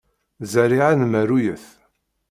Zerriɛa n merruyet.